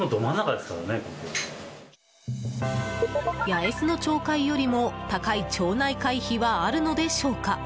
八重洲の町会よりも高い町内会費はあるのでしょうか。